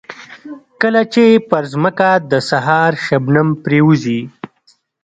کله چې پر ځمکه د سهار شبنم پرېوځي.